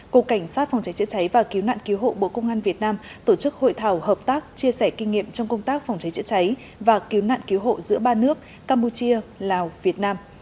cục cảnh sát phòng cháy chữa cháy và cứu nạn cứu hộ bộ công an việt nam tổ chức hội thảo hợp tác chia sẻ kinh nghiệm trong công tác phòng cháy chữa cháy và cứu nạn cứu hộ giữa ba nước campuchia lào việt nam